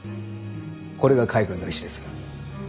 これが海軍の意志です。